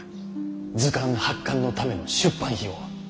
図鑑発刊のための出版費用